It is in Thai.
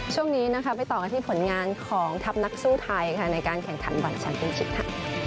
ช่วงนี้นะคะไปต่อกันที่ผลงานของทัพนักสู้ไทยค่ะในการแข่งขันวันแชมป์เป็นชิปค่ะ